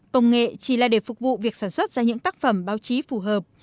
công nghệ chỉ là để phục vụ việc sản xuất ra những tác phẩm báo chí phù hợp